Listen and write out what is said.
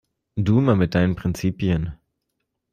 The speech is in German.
Du immer mit deinen Prinzipien!